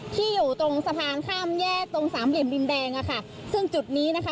ที่อยู่ตรงสะพานข้ามแยกตรงสามเหลี่ยมดินแดงอะค่ะซึ่งจุดนี้นะคะ